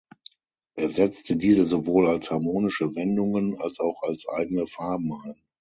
Er setzte diese sowohl als harmonische Wendungen als auch als eigene „Farben“ ein.